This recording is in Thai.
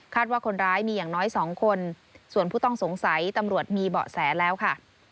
ว่าคนร้ายมีอย่างน้อย๒คนส่วนผู้ต้องสงสัยตำรวจมีเบาะแสแล้วค่ะ